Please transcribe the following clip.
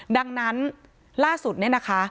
ดังนั้นล่าสุดเนี่ยนะคะ